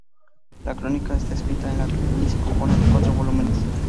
La crónica está escrita en latín y se compone de cuatro volúmenes.